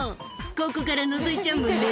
「ここからのぞいちゃうもんね」